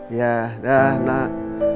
iya dapet nak